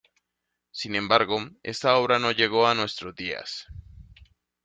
Sin embargo, esta obra no llegó a nuestros días.